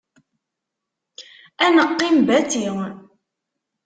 Ad neqqim bati.